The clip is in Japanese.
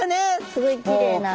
すごいきれいな。